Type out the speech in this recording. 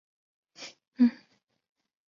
拿起一些旧衣开始缝补